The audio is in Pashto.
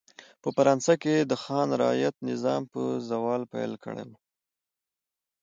په فرانسه کې د خان رعیت نظام په زوال پیل کړی و.